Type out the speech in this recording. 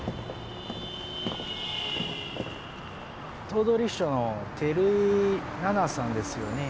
頭取秘書の照井七菜さんですよね？